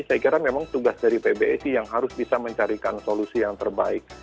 saya kira memang tugas dari pbsi yang harus bisa mencarikan solusi yang terbaik